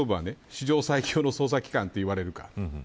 史上最強の捜査機関といわれるか。